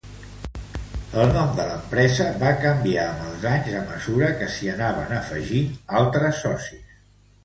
El nom de l'empresa va canviar amb els anys a mesura que s'hi anaven afegint altres socis.